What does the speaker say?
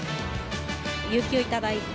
有休をいただいて。